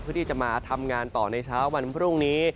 เพื่อที่จะมาทำงานต่อในเช้าวันพรุ่งนี้